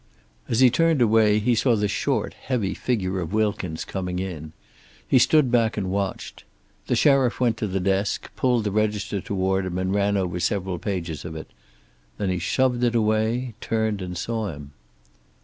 As he turned away he saw the short, heavy figure of Wilkins coming in. He stood back and watched. The sheriff went to the desk, pulled the register toward him and ran over several pages of it. Then he shoved it away, turned and saw him.